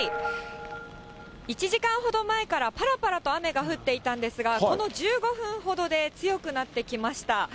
１時間ほど前から、ぱらぱらと雨が降っていたんですが、この１５分ほどで強くなってきました。